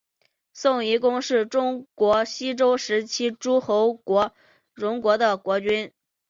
荣夷公是中国西周时期诸侯国荣国的国君。